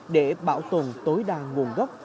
để bảo tồn tối đa nguồn gốc